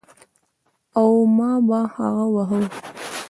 او ما به هغه واهه.